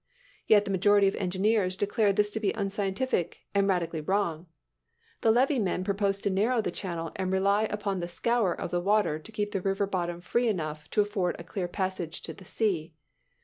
Yet, the majority of engineers declare this to be unscientific, and radically wrong. The levee men propose to narrow the channel and to rely upon the "scour" of the water to keep the river bottom free enough to afford a clear passage to the sea.